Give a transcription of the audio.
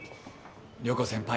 涼子先輩